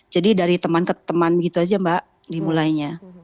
jadi dari teman ke teman gitu aja mbak dimulainya